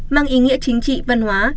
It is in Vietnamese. mang ý nghĩa chính trị văn hóa